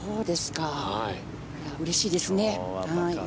うれしいですね。